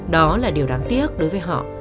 đó là điều đáng tiếc đối với họ